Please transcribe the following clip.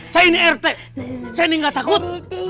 saya rt ini enggak takut